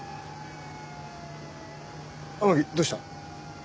天樹どうした？